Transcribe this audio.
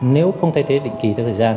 nếu không thay thế định kỳ theo thời gian